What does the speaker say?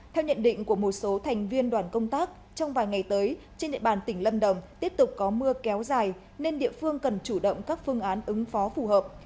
theo nhận định của một số thành viên đoàn công tác trong vài ngày tới trên địa bàn tỉnh lâm đồng tiếp tục có mưa kéo dài nên địa phương cần chủ động các phương án ứng phó phù hợp